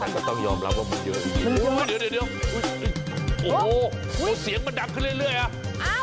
มันก็ต้องยอมรับว่ามันเยอะอย่างงี้โอ้โหเดี๋ยวเดี๋ยวเดี๋ยว